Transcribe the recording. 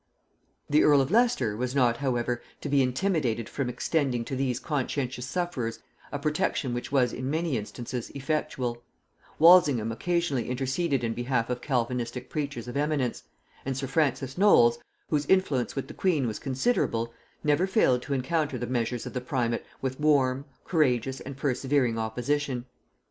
The earl of Leicester was not however to be intimidated from extending to these conscientious sufferers a protection which was in many instances effectual: Walsingham occasionally interceded in behalf of Calvinistic preachers of eminence; and sir Francis Knolles, whose influence with the queen was considerable, never failed to encounter the measures of the primate with warm, courageous, and persevering opposition.